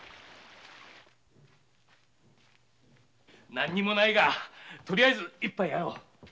何もないがとりあえず一杯やろう。